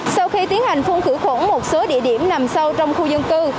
sau khi tiến hành phung khử quận một số địa điểm nằm sâu trong khu dân cư